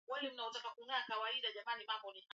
anaweza kuongea mada moja kwenye kipindi chake